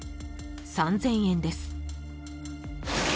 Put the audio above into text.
［３，０００円です］